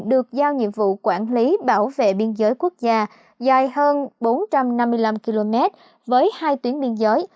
được giao nhiệm vụ quản lý bảo vệ biên giới quốc gia dài hơn bốn trăm năm mươi năm km với hai tuyến biên giới